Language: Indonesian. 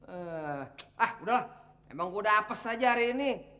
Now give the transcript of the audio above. eh ah udahlah emang gue udah apes aja hari ini